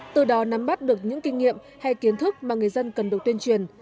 từ đó nắm bắt được những kinh nghiệm hay kiến thức mà người dân cần được tuyên truyền